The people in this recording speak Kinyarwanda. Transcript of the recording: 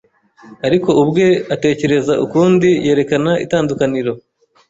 Ariko ubwe atekereza ukundi yerekana itandukaniro